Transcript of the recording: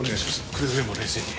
くれぐれも冷静に。